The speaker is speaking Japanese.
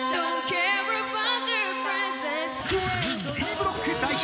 ［Ｄブロック代表。